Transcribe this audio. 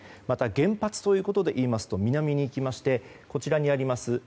また、原発ということでいいますと、南に行きましてこちらにあります